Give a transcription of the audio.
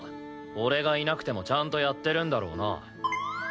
俺がいなくてもちゃんとやってるんだろうな？